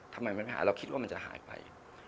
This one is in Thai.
ทำไมมันหาเราคิดว่ามันจะหายไป